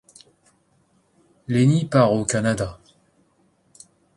Lenny part au Canada.